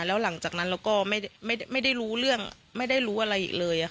แล้วหลังจากนั้นเราก็ไม่ได้รู้เรื่องไม่ได้รู้อะไรอีกเลย